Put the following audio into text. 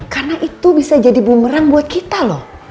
karena itu bisa jadi bumerang buat kita loh